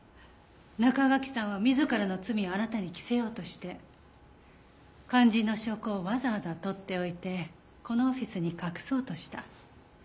中垣さんは自らの罪をあなたに着せようとして肝心の証拠をわざわざ取っておいてこのオフィスに隠そうとした。